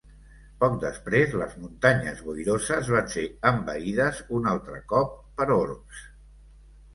Poc després les Muntanyes Boiroses van ser envaïdes un altre cop per orcs.